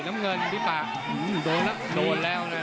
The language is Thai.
ต้องออกครับอาวุธต้องขยันด้วย